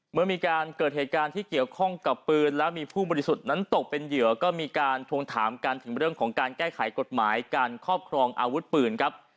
เมื่อมีการเกิดเหตุการณ์ที่เกี่ยวข้องกับปืนแล้วมีผู้บริสุทธิ์นั้นตกเป็นเหยื่อก็มีการทวงถามกันถึงเรื่องของการแก้ไขกฎหมายการครอบครองอาวุธปืนครับ